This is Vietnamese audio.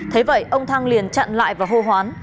thế vậy ông thăng liền chặn lại và hô hoán